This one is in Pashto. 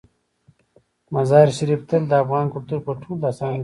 مزارشریف تل د افغان کلتور په ټولو داستانونو کې راځي.